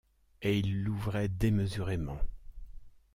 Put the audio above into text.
Et ils l’ouvraient démesurément.